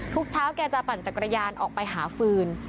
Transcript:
ทุกเช้าแกจะปั่นจักรยานออกไปหาฟืน